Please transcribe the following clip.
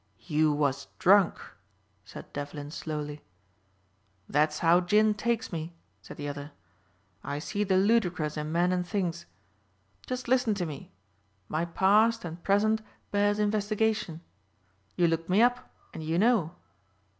"You was drunk," said Devlin slowly. "That's how gin takes me," said the other, "I see the ludicrous in men and things. Just listen to me. My past and present bears investigation. You looked me up and you know."